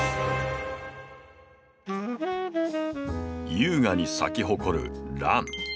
優雅に咲き誇るラン。